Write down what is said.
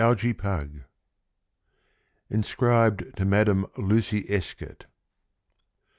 Lurline (Inscribed to Madame Lucy Escott.)